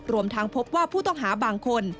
รวมทั้งพบว่าผู้ต้องหาบางคน